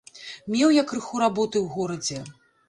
Меў я крыху работы ў горадзе.